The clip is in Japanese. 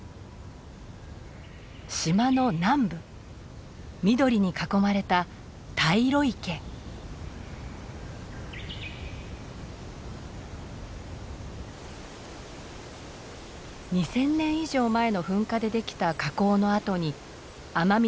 島の南部緑に囲まれた２，０００年以上前の噴火でできた火口の跡に雨水や湧き水がたまりました。